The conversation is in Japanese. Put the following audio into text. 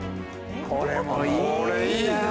これもいいな。